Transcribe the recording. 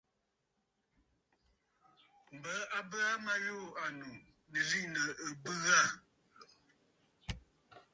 M̀bə a bə aa ma yû ànnù, nɨ̀ liꞌìnə̀ ɨ̀bɨ̂ ghâ.